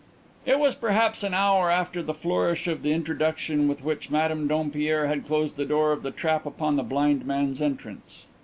It was perhaps an hour after the flourish of the introduction with which Madame Dompierre had closed the door of the trap upon the blind man's entrance.